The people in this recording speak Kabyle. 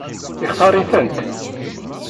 Yextaṛ-itent?